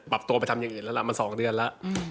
ปรับตัวไปทำอย่างอีกแล้วละมาสองเดือนละ